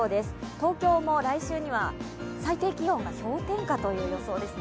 東京も来週には最低気温が氷点下という予想ですね。